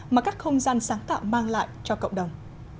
mà các không gian sáng tạo mang lại cho cộng đồng